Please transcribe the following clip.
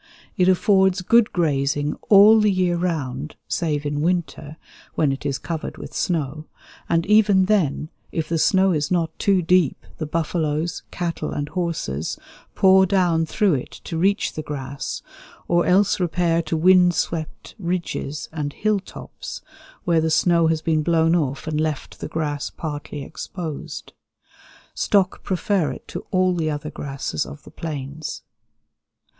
It affords good grazing all the year round, save in winter, when it is covered with snow, and even then, if the snow is not too deep, the buffaloes, cattle, and horses paw down through it to reach the grass, or else repair to wind swept ridges and hill tops, where the snow has been blown off and left the grass partly exposed. Stock prefer it to all the other grasses of the plains.